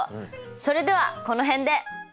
それではこの辺で！